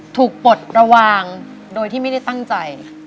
ปลดระวางโดยที่ไม่ได้ตั้งใจ